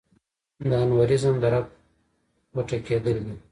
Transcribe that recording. د انوریزم د رګ ګوټه کېدل دي.